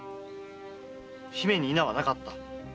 姫に「否」はなかった。